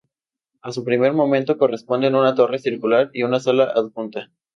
A un primer momento corresponden una torre circular y una sala adjunta.